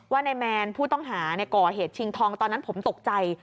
นายแมนผู้ต้องหาก่อเหตุชิงทองตอนนั้นผมตกใจ